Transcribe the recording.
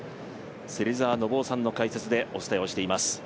芹澤信雄さんの解説でお伝えしております。